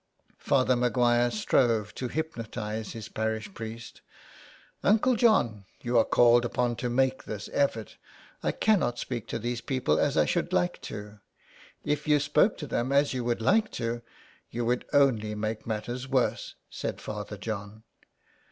Father Maguire strove to hypnotize his parish priest. ^' Uncle John, you are called upon to make this effort. I cannot speak to these people as I should like to." ^'Ifyou spoke to them as you would like to, you would only make matters worse," said Father John.